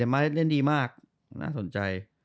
มาเล่นดีมากน่าสนใจ